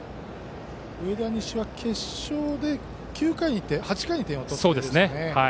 上田西は決勝で８回に点を取っているんですね。